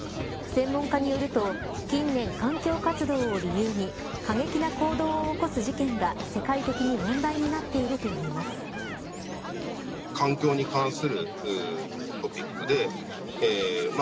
専門家によると近年環境活動を理由に過激な行動を起こす事件が世界的に問題になっているといいます。